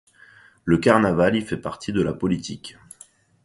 Le carnaval y fait partie de la politique.